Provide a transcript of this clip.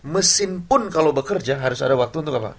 mesin pun kalau bekerja harus ada waktu untuk apa